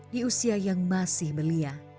di usia yang masih belia